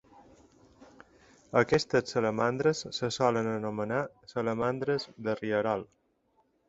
Aquestes salamandres se solen anomenar "salamandres de rierol".